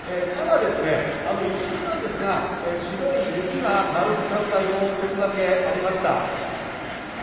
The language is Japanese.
ただ一瞬なんですが、白い雪が舞う時間帯もちょっとだけありました。